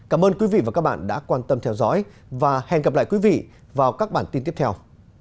cảm ơn quý vị và các bạn đã quan tâm theo dõi và hẹn gặp lại quý vị vào các bản tin tiếp theo